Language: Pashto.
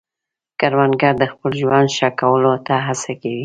کروندګر د خپل ژوند ښه کولو ته هڅه کوي